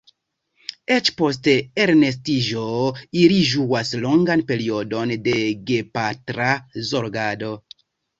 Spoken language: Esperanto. Eĉ post elnestiĝo ili ĝuas longan periodon de gepatra zorgado.